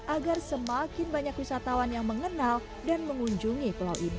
agar semakin banyak wisatawan yang mengenal dan mengunjungi pulau ini